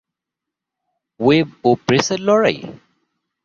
Web ও প্রেসের লড়াই?